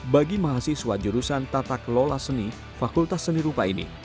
bagi mahasiswa jurusan tata kelola seni fakultas seni rupa ini